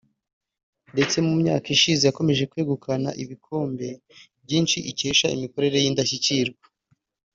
ndetse mu myaka ishize yakomeje kwegukana ibikombe byinshi ikesha imikorere y’indashyikirwa